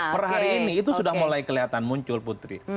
per hari ini itu sudah mulai kelihatan muncul putri